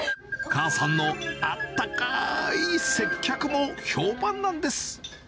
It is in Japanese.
母さんのあったかい接客も評判なんです。